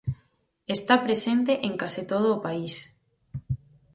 Está presente en case todo o país.